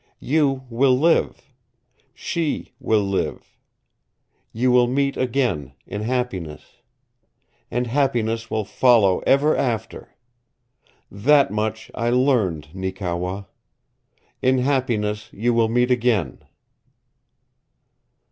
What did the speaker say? You will live. She will live. You will meet again in happiness. And happiness will follow ever after. That much I learned, Neekewa. In happiness you will meet again."